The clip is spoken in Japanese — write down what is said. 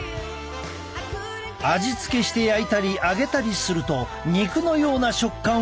味付けして焼いたり揚げたりすると肉のような食感を味わえる。